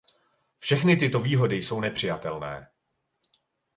Všechny tyto výhody jsou nepřijatelné.